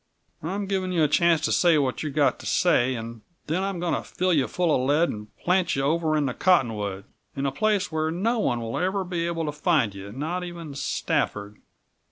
"I'm giving you a chance to say what you've got to say and then I'm going to fill you full of lead and plant you over in the cottonwood in a place where no one will ever be able to find you not even Stafford.